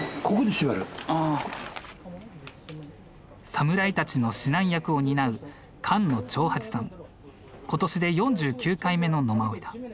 侍たちの指南役を担う今年で４９回目の野馬追だ。